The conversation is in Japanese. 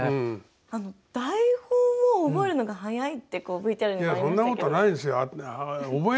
あの台本を覚えるのが早いってＶＴＲにもありましたけど。